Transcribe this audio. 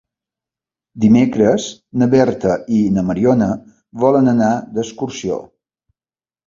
Dimecres na Berta i na Mariona volen anar d'excursió.